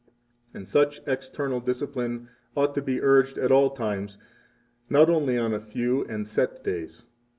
34 And such external discipline ought to be urged at all times, not only on a few and set days.